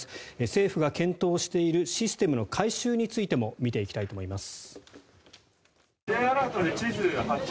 政府が検討しているシステムの改修についても見ていきたいと思います。